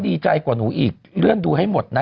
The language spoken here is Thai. ดีใจกว่าหนูอีกเลื่อนดูให้หมดนะ